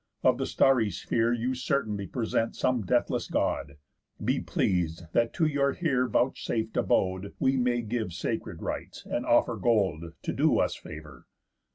Of the starry sphere You certainly present some deathless God. Be pleas'd, that to your here vouchsaf'd abode We may give sacred rites, and offer gold, To do us favour."